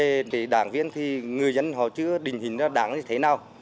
trước đây khi mà nói về đảng viên thì người dân họ chưa đình hình ra đảng như thế nào